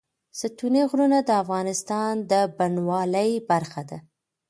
ستوني غرونه د افغانستان د بڼوالۍ برخه ده.